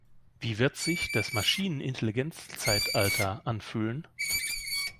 Wie wird sich das Maschinenintelligenzzeitalter anfühlen?